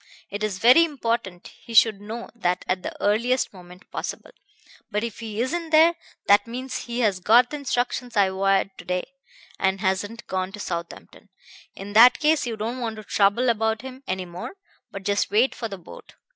It is very important he should know that at the earliest moment possible. But if he isn't there, that means he has got the instructions I wired to day, and hasn't gone to Southampton. In that case you don't want to trouble about him any more, but just wait for the boat.